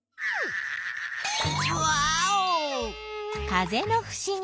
風のふしぎ。